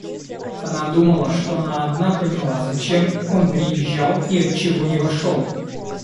Она думала, что она одна поняла, зачем он приезжал и отчего не вошел.